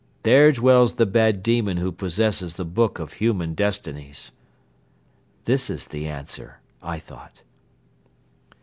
There dwells the bad demon who possesses the book of human destinies." "This is the answer," I thought.